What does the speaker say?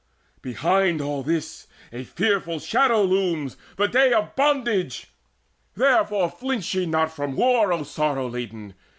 Behind all this a fearful shadow looms, The day of bondage! Therefore flinch not ye From war, O sorrow laden!